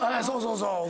そうそう。